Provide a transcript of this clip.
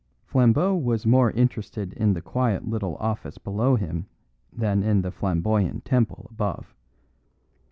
Flambeau was more interested in the quiet little office below him than in the flamboyant temple above.